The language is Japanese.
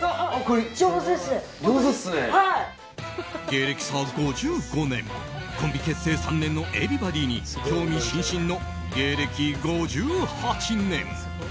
芸歴差５５年コンビ結成３年のＥｖｅｒｂｏｄｙに興味津々の芸歴５８年。